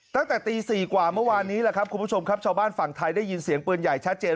ตั้งแต่ตี๔กว่าเมื่อวานนี้ชาวบ้านฝั่งไทยได้ยินเสียงปืนใหญ่ชัดเจน